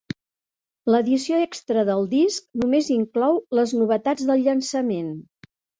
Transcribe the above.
L'edició extra del disc només inclou les novetats del llançament.